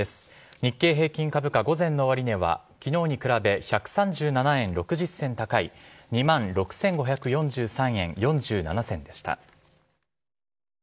日経平均株価、午前終値は、きのうに比べ１３７円６０銭高い、２万６５４３円４７銭でした。